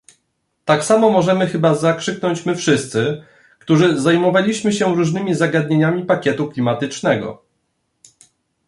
Tak samo możemy chyba zakrzyknąć my wszyscy, którzy zajmowaliśmy się różnymi zagadnieniami pakietu klimatycznego